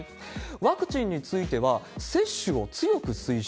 ワクチンについては、接種を強く推奨。